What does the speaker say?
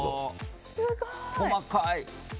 細かい。